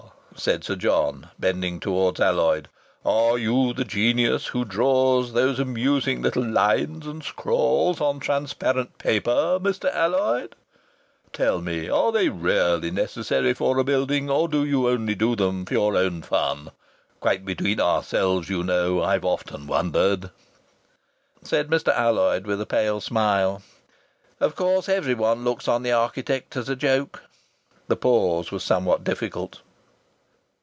said Sir John, bending towards Alloyd. "Are you the genius who draws those amusing little lines and scrawls on transparent paper, Mr. Alloyd? Tell me, are they really necessary for a building, or do you only do them for your own fun? Quite between ourselves, you know! I've often wondered." Said Mr. Alloyd, with a pale smile: "Of course everyone looks on the architect as a joke!" The pause was somewhat difficult.